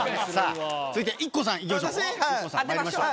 続いてＩＫＫＯさんいきましょう。